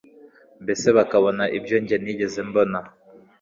mbese bakabona ibyo nge ntigeze mbona